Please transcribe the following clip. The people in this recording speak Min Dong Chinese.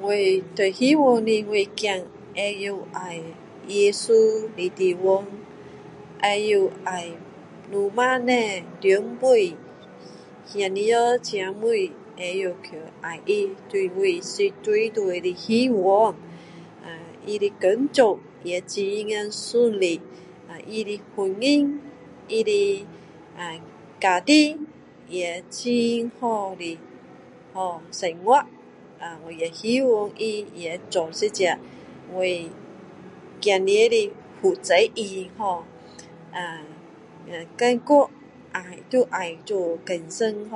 我最希望的我的孩子会知道爱耶稣的地方会知道爱父母 [unintelligible] 兄弟姐妹会知道去我希望他的工作很是顺利他的婚姻他的家庭也很好的生活我也希望做一个我孩子的负责人哦更过爱要爱主更深